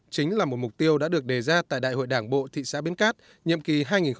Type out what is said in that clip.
chính là một mục tiêu đã được đề ra tại đại hội đảng bộ thị xã bến cát nhiệm kỳ hai nghìn một mươi năm hai nghìn hai mươi